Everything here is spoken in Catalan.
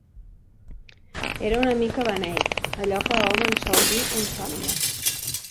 Era una mica beneit, allò que hom en sol dir un sòmines.